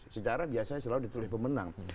sejarah biasanya selalu ditulis pemenang